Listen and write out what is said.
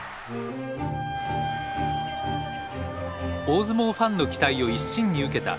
大相撲ファンの期待を一身に受けた